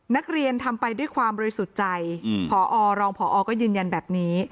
นักเรียนทำไปด้วยความบริสุทธิ์ใจพอรองพอก็ยืนยันแบบนี้